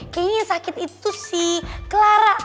kayaknya sakit itu si clara